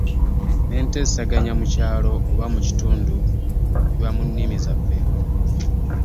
N'enteeseganya mu kyalo oba mu kitundu biba mu nnimi zaffe.